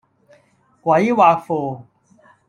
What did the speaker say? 鬼畫符